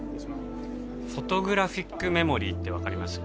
フォトグラフィックメモリーって分かります？